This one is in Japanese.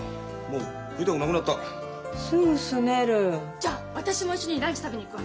じゃ私も一緒にランチ食べに行くわ。